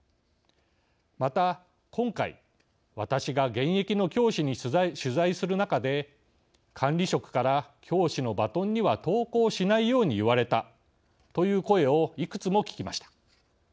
また今回、私が現役の教師に取材する中で管理職から♯教師のバトンには投稿しないように言われたという声をいくつも聞きました。